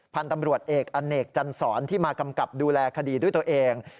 พันธุ์ตำรวจเอกอเนกจันสอนที่มากำกับดูแลคดีด้วยตัวเอง